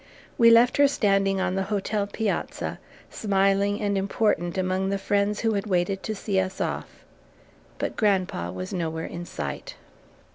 '" We left her standing on the hotel piazza, smiling and important among the friends who had waited to see us off; but grandpa was nowhere in sight.